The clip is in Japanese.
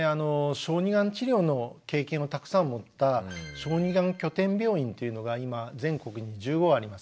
小児がん治療の経験をたくさん持った小児がん拠点病院というのが今全国に１５あります。